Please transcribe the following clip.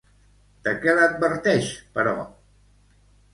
De què l'adverteix, però?